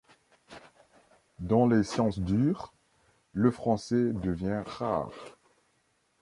Dans les sciences dures, le français devient rare.